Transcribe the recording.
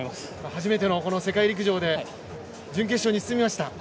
初めての世界陸上で準決勝に進みました。